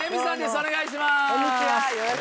お願いします。